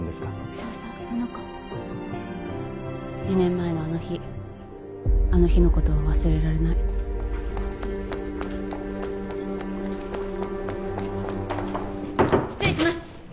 そうそうその子２年前のあの日あの日のことは忘れられない失礼します